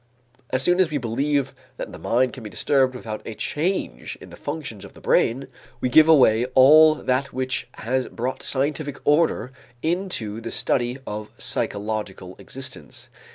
As soon as we believe that the mind can be disturbed without a change in the functions of the brain, we give away all that which has brought scientific order into the study of psychological existence.